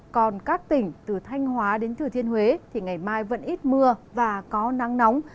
còn các tỉnh từ thanh hóa đến thừa thiên huế thì ngày mai vẫn ít mưa và có nắng nóng